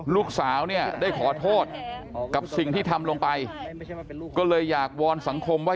ลูกสาวเนี่ยได้ขอโทษกับสิ่งที่ทำลงไปก็เลยอยากวอนสังคมว่า